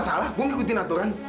gue gak salah gue mengikuti naturan